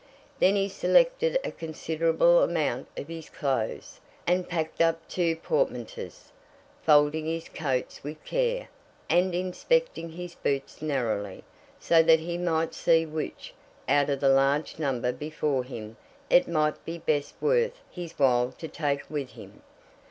Then he selected a considerable amount of his clothes, and packed up two portmanteaus, folding his coats with care, and inspecting his boots narrowly, so that he might see which, out of the large number before him, it might be best worth his while to take with him.